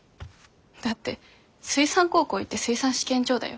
だって水産高校行って水産試験場だよ？